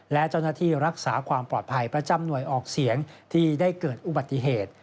และเจ้าหน้าที่รักษาความปลอดภัยประจำหน่วยออกเสียงที่ได้เกิดอุบัติเหตุ